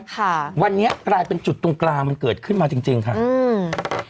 ค่ะวันนี้กลายเป็นจุดตรงกลางมันเกิดขึ้นมาจริงจริงค่ะอืม